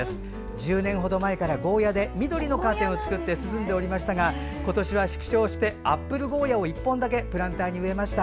１０年ほど前、ゴーヤで緑のカーテンを作り涼んでおりましたが今年は縮小してアップルゴーヤを１本だけプランターに植えました。